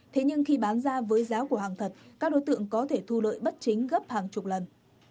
thế nhưng khi bán ra với giá của hàng thật các đối tượng có thể thu lợi bất chính gấp hàng chục lần